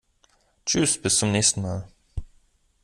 Tschüss, bis zum nächsen Mal!